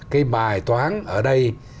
cái bài toán ở đây